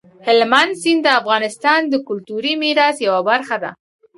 هلمند سیند د افغانستان د کلتوري میراث یوه برخه ده.